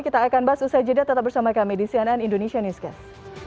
kita akan bahas usai jeda tetap bersama kami di cnn indonesia newscast